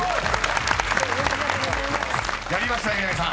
［やりましたね南さん］